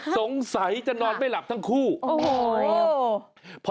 สงสัยจะนอนไม่หลับทั้งคู่โอ้โห